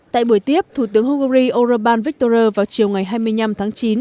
tại buổi tiếp thủ tướng hungary orbán viktor vào chiều ngày hai mươi năm tháng chín